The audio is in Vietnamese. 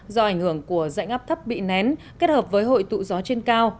do ảnh hưởng của dạnh áp thấp bị nén kết hợp với hội tụ gió trên cao